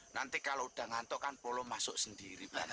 nanti kalau udah ngantuk kan polo masuk sendiri